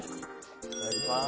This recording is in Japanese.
いただきます。